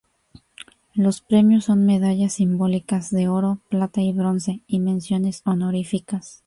Los premios son medallas simbólicas de oro, plata y bronce, y menciones honoríficas.